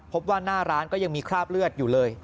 พบว่าหน้าร้านก็ยังมีคราบเลือดอยู่เลย